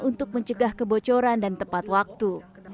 untuk mencari tempat kebocoran dan tempat waktu